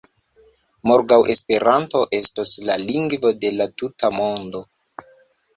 Morgaŭ Esperanto estos la lingvo de la tuta Mondo!